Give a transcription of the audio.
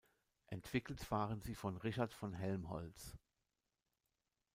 Entwickelt waren sie von Richard von Helmholtz.